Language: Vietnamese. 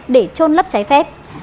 để trôn lấp cháy phép